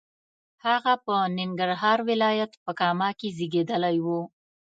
هغه په ننګرهار ولایت په کامه کې زیږېدلی و.